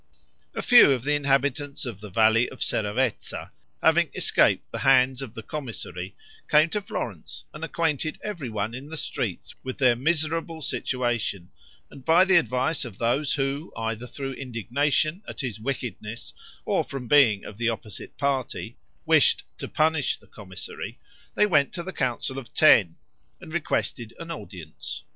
A few of the inhabitants of the valley of Seravezza, having escaped the hands of the commissary, came to Florence and acquainted every one in the streets with their miserable situation; and by the advice of those who, either through indignation at his wickedness or from being of the opposite party, wished to punish the commissary, they went to the Council of Ten, and requested an audience.